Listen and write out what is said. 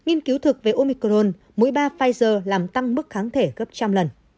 nghiên cứu thực về omicron mỗi ba pfizer làm tăng mức kháng thể gấp trăm lần